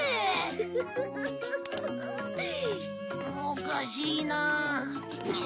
おかしいな。